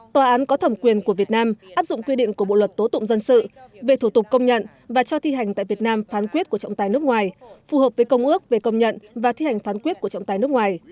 tòa án có thẩm quyền của việt nam áp dụng quy định của bộ luật tố tụng dân sự về thủ tục công nhận và cho thi hành tại việt nam phán quyết của trọng tài nước ngoài phù hợp với công ước về công nhận và thi hành phán quyết của trọng tài nước ngoài